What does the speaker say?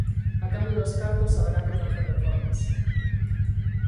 A cambio dos cartos, haberá que facer reformas.